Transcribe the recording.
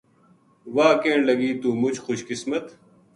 واہ کہن لگی توہ مُچ خوش قسمت